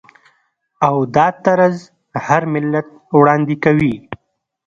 او دا طرز هر ملت وړاندې کوي.